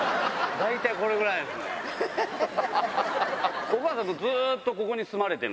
大体これぐらいなんすね。